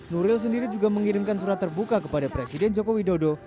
nuril sendiri juga mengirimkan surat terbuka kepada presiden joko widodo